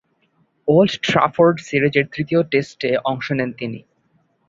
Old ট্রাফোর্ডে সিরিজের তৃতীয় টেস্টে অংশ নেন তিনি।